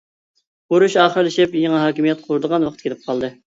ئۇرۇش ئاخىرلىشىپ، يېڭى ھاكىمىيەت قۇرىدىغان ۋاقىت كېلىپ قالدى.